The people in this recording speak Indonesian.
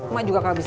mak juga gak bisa